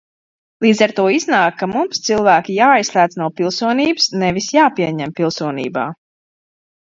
Līdz ar to iznāk, ka mums cilvēki jāizslēdz no pilsonības, nevis jāpieņem pilsonībā.